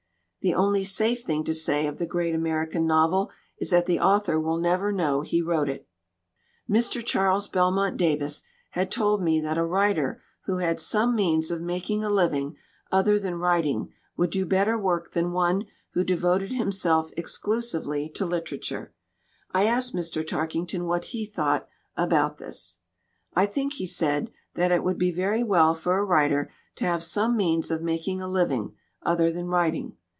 The only safe thing to say of the Great American Novel is that the author will never know he wrote it." 40 PROSPERITY AND ART Mr. Charles Belmont Davis had told me that a writer who had some means of making a living other than writing would do better work than one who devoted himself exclusively to literature. I asked Mr. Tarkington what he thought about this. "I think," he said, "that it would be very well for a writer to have some means of making a living other than writing.